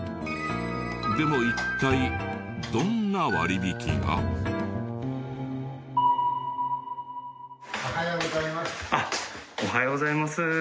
でも一体どんな割引が？おはようございます。